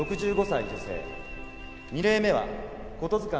６５歳女性。